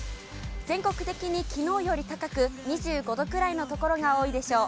全国的にきのうより高く、２５度くらいの所が多いでしょう。